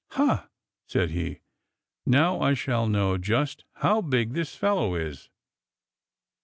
"Ha!" said he, "now I shall know just how big this fellow is."